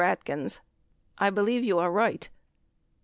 Atkins. I believe you are right.